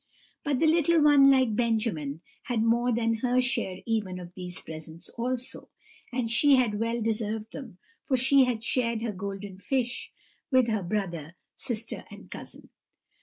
But the little one, like Benjamin, had more than her share even of these presents also; and she had well deserved them, for she had shared her golden fish with her brother, sister, and cousin.